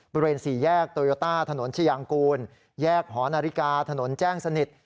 บริเวณ๔แยกโตโยต้าถนนชายางกูลแยกหอนาฬิกาถนนแจ้งสนิท